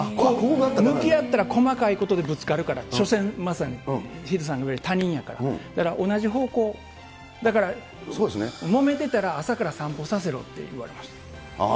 向き合ったら細かいことでぶつかるから、しょせん、まさにヒデさんが言うように他人だから、だから同じ方向、だからもめてたら朝から散歩させろって言われました。